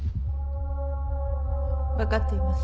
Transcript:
分かっています。